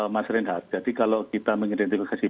mas reinhardt jadi kalau kita mengidentifikasi